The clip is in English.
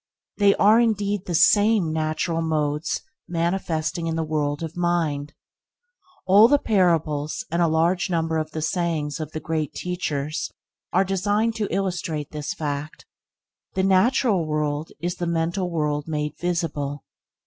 They are indeed the same natural modes manifesting in the world of mind. All the parables and a large number of the sayings of the Great Teachers are designed to illustrate this fact. The natural world is the mental world made visible.